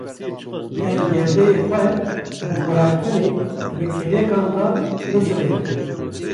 Em gewdeyê xwe bi guhertinê bi kêlekan de bizivirînin.